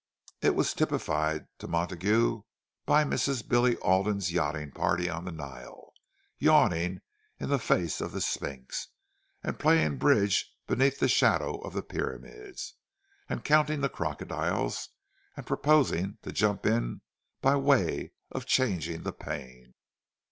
It was typified to Montague by Mrs. Billy Alden's yachting party on the Nile; yawning in the face of the Sphinx, and playing bridge beneath the shadow of the pyramids—and counting the crocodiles and proposing to jump in by way of "changing the pain"!